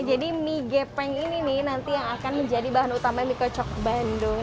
jadi mie gepeng ini nanti yang akan menjadi bahan utama mie kocok bandung